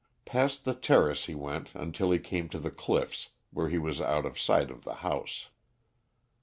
Past the terrace he went until he came to the cliffs where he was out of sight of the house.